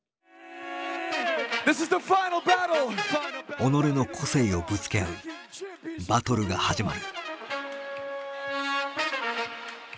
己の「個性」をぶつけ合うバトルが始まる。